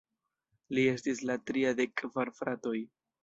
Li estis la tria de kvar fratoj.